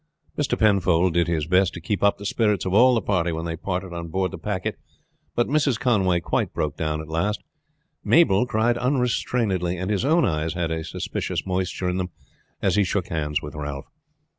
Mr. Penfold did his best to keep up the spirits of all of the party when they parted on board the packet; but Mrs. Conway quite broke down at last. Mabel cried unrestrainedly, and his own eyes had a suspicious moisture in them as he shook hands with Ralph.